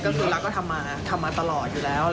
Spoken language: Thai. ก็คือรักก็ทำมาทำมาตลอดอยู่แล้ว